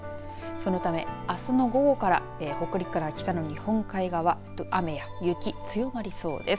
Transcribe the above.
そのため、あすの午後から北陸から北の日本海側雨や雪、強まりそうです。